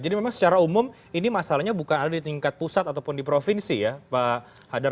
jadi umum ini masalahnya bukan ada di tingkat pusat ataupun di provinsi ya pak hadar